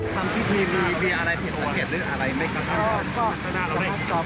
ทำพิธีมีอะไรเผ็ดหรืออะไรไม่กระเทียด